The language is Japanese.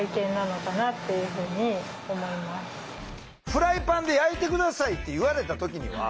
「フライパンで焼いて下さい」って言われた時には？